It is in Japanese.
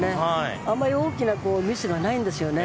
あまり大きなミスがないんです。